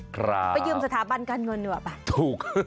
ไปยืมสถาบันการเงินด้วยว่ะ